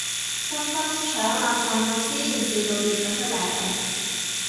執返啲腸啊腎啊先，笑到跌咗出嚟